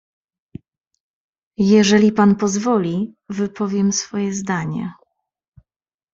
"Jeżeli pan pozwoli, wypowiem swoje zdanie."